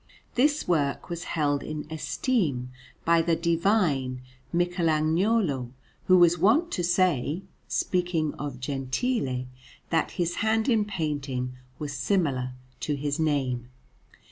This work was held in esteem by the divine Michelagnolo, who was wont to say, speaking of Gentile, that his hand in painting was similar to his name.